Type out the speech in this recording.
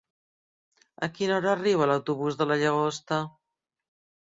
A quina hora arriba l'autobús de la Llagosta?